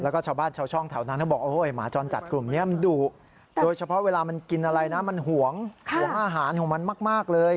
แล้วก็ชาวบ้านชาวช่องแถวนั้นเขาบอกหมาจรจัดกลุ่มนี้มันดุโดยเฉพาะเวลามันกินอะไรนะมันห่วงห่วงอาหารของมันมากเลย